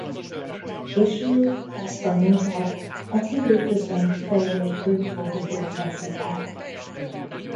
Később ezt a munkát az időközben kifejlődő dolgozók veszik át.